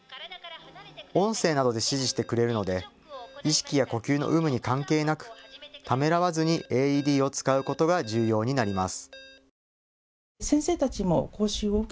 音声などで指示してくれるので意識や呼吸の有無に関係なくためらわずにＡＥＤを使うことが重要になります。